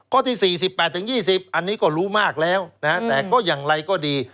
ที่๔๘๒๐อันนี้ก็รู้มากแล้วนะฮะแต่ก็อย่างไรก็ดี